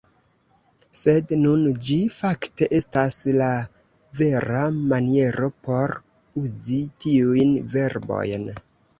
Sed nun, ĝi fakte estas la vera maniero por uzi tiujn verbojn.